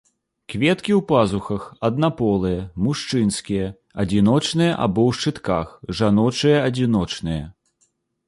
Кветкі ў пазухах, аднаполыя, мужчынскія, адзіночныя або ў шчытках, жаночыя адзіночныя.